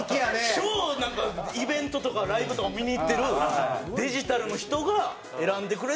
超なんかイベントとかライブとかを見に行ってるデジタルの人が選んでくれて。